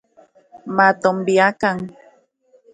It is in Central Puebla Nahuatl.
Matonbiakan